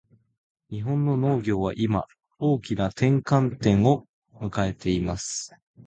日本の農業は今、大きな転換点を迎えています。